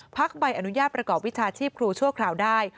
ใบอนุญาตประกอบวิชาชีพครูชั่วคราวได้